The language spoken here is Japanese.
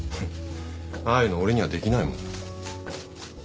ああいうの俺にはできないもん。